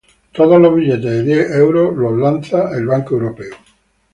Todos los billetes de diez dólares son lanzados por la Reserva Federal.